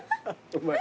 うまい？